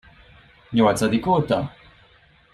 Nyolcadik óta?